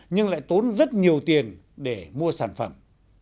nhưng lại tốn rất nhiều tiền để mua sản phẩm